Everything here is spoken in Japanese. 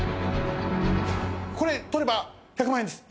これ取れば１００万円です。